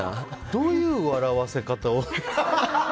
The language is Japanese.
どういう笑わせ方を。